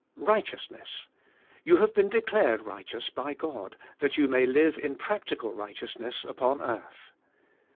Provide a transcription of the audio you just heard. Righteousness, You have been declared righteous by God that you may live in prac tical righteousness upon earth.